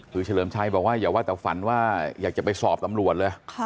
คือเฉลิมชัยว่าอยากจะไปสอบตำรวจ